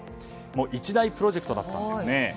一大プロジェクトだったんですね。